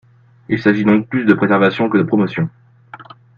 Il s’agit donc plus de préservation que de promotion.